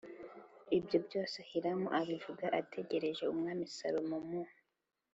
ibyo byose Hiramu Abivuga ategereje Umwami Salomo mu